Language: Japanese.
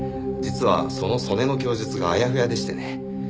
実はその曽根の供述があやふやでしてね。